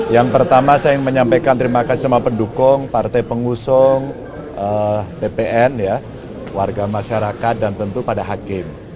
yang pertama saya ingin menyampaikan terima kasih sama pendukung partai pengusung tpn warga masyarakat dan tentu pada hakim